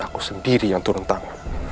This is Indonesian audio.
aku sendiri yang turun tangan